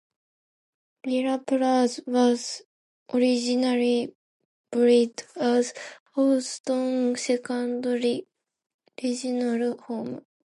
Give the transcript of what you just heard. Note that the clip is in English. Meyerland Plaza was originally built as Houston's second "regional mall".